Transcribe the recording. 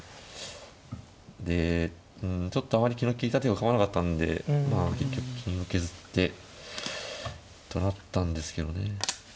でちょっとあまり気の利いた手が浮かばなかったんで結局金を削ってとなったんですけどね。